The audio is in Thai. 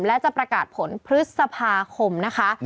และจะประกาศผลพฤษภาคมนะคะ